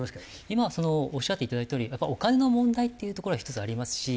今おっしゃっていただいたとおりお金の問題っていうところは１つありますし。